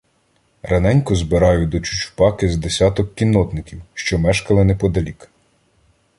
Раненько збираю до Чучупаки з десяток кіннотників, що мешкали неподалік.